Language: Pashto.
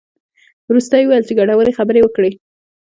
وروسته یې وویل چې ګټورې خبرې وکړې.